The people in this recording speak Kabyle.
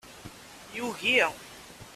Yugi.